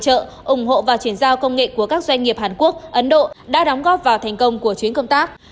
hỗ trợ ủng hộ và chuyển giao công nghệ của các doanh nghiệp hàn quốc ấn độ đã đóng góp vào thành công của chuyến công tác